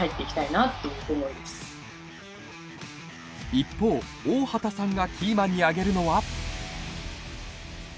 一方大畑さんがキーマンに挙げるのは？